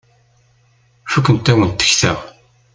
Fukent-awen tekta.